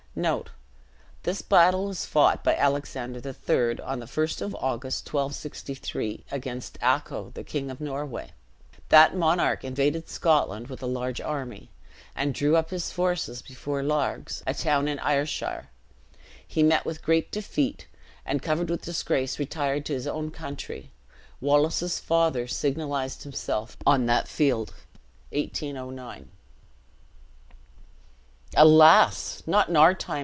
This battle was fought by Alexander III, on the 1st of August, 1263, against Acho, King of Norway. That monarch invaded Scotland with a large army, and drew up his forces before Largs, a town in Ayrshire. He met with a great defeat, and, covered with disgrace, retired to his own country. Wallace's father signalized himself on that field. (1809.) "Alas! not in our time!"